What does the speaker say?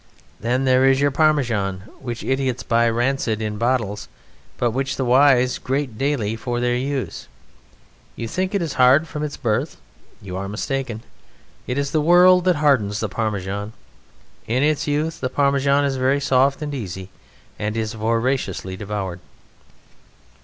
Then there is your Parmesan, which idiots buy rancid in bottles, but which the wise grate daily for their use: you think it is hard from its birth? You are mistaken. It is the world that hardens the Parmesan. In its youth the Parmesan is very soft and easy, and is voraciously devoured.